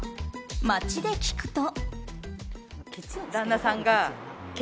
街で聞くと。